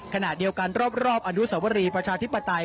ขณะเดียวกันรอบอนุสวรีประชาธิปไตย